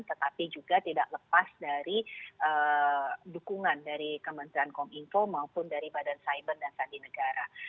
tetapi juga tidak lepas dari dukungan dari kementerian kominfo maupun dari badan cyber dan sandi negara